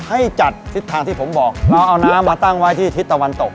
ให้จัดทิศทางที่ผมบอกเราเอาน้ำมาตั้งไว้ที่ทิศตะวันตก